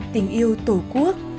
tình yêu tổ quốc